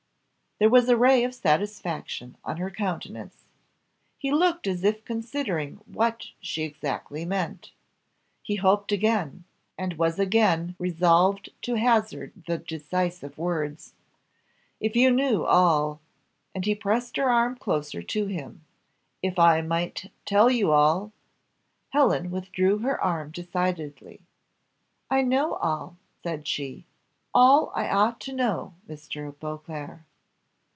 There was a ray of satisfaction on her countenance. He looked as if considering what she exactly meant. He hoped again, and was again resolved to hazard the decisive words. "If you knew all!" and he pressed her arm closer to him "if I might tell you all ?" Helen withdrew her arm decidedly. "I know all," said she; "all I ought to know, Mr. Beauclerc."